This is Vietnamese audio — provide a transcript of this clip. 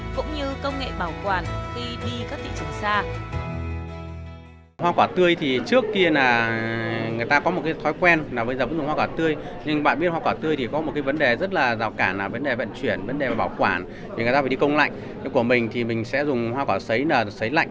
cũng như công nghệ bảo quản khi đi các thị trường xa